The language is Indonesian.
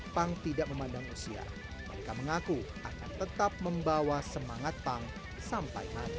pang tidak memandang usia mereka mengaku akan tetap membawa semangat pang sampai mati